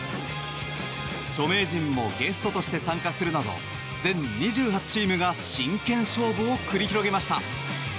著名人もゲストとして参加するなど全２８チームが真剣勝負を繰り広げました。